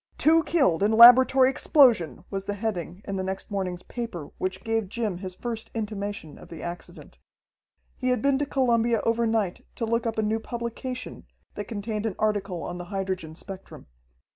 "Two Killed in Laboratory Explosion!" was the heading in the next morning's paper which gave Jim his first intimation of the accident. He had been to Columbia overnight to look up a new publication that contained an article on the hydrogen spectrum.